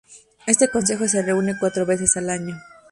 Este consejo se reúne cuatro veces al año.